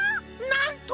なんと！